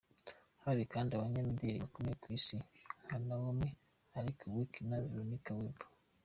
Hari kandi abanyamideli bakomeye ku Isi nka Naomi, Alek Wek na Veronica Webb.